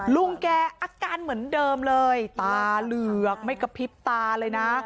ลุงแกอาการเหมือนเดิมเลยตาเหลือกไม่กระพริบตาเลยนะ